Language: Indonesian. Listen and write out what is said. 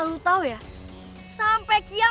sudah lapar aku